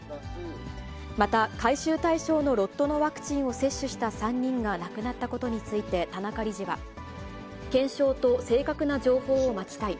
また、回収対象のロットのワクチンを接種した３人が亡くなったことについて田中理事は、検証と正確な情報を待ちたい。